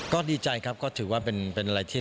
ก็ดีใจครับก็ถือว่าเป็นอะไรที่